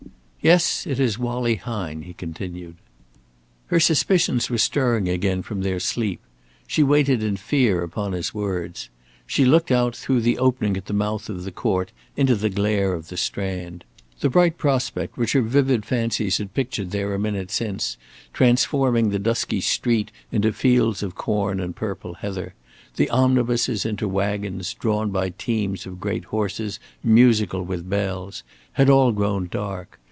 "Yes. It is Wallie Hine," he continued. Her suspicions were stirring again from their sleep. She waited in fear upon his words. She looked out, through the opening at the mouth of the court into the glare of the Strand. The bright prospect which her vivid fancies had pictured there a minute since, transforming the dusky street into fields of corn and purple heather, the omnibuses into wagons drawn by teams of great horses musical with bells, had all grown dark.